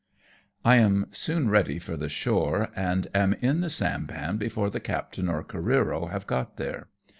I am soon ready for the shore, and am in the sampan before the captain or Careero have got there.